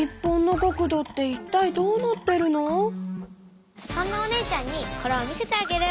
あぁそんなお姉ちゃんにこれを見せてあげる。